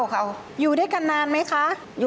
เขาก็นอนเสย